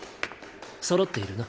そろっているな？